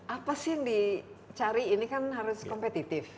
apa sih yang dicari ini kan harus kompetitif